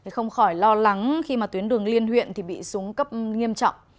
không khỏi lo lắng khi mà tuyến đường liên huyện bị súng cấp nghiêm trọng